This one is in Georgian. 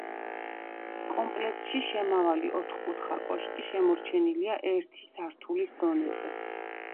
კომპლექსში შემავალი ოთხკუთხა კოშკი შემორჩენილია ერთი სართულის დონეზე.